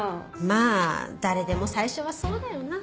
まあ誰でも最初はそうだよな。